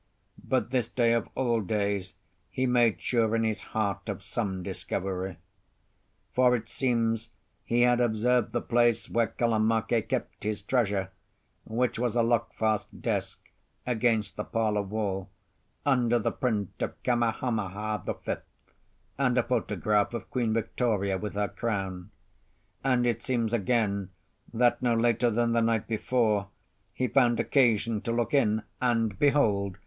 But this day of all days he made sure in his heart of some discovery. For it seems he had observed the place where Kalamake kept his treasure, which was a lock fast desk against the parlour wall, under the print of Kamehameha the Fifth, and a photograph of Queen Victoria with her crown; and it seems again that, no later than the night before, he found occasion to look in, and behold!